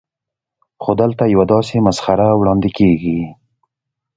خو دلته یوه داسې مسخره وړاندې کېږي.